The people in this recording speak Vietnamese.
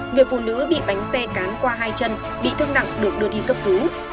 người phụ nữ bị bánh xe cán qua hai chân bị thương nặng được đưa đi cấp cứu